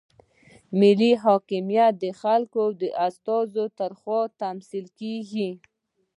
ملي حاکمیت د خلکو د استازو لخوا تمثیلیږي.